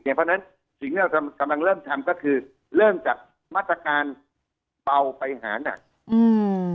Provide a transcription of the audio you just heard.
เพราะฉะนั้นสิ่งที่เรากำลังเริ่มทำก็คือเริ่มจากมาตรการเบาไปหานักอืม